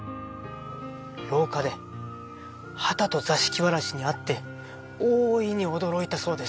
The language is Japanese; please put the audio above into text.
廊下ではたと座敷わらしに会って大いに驚いたそうです。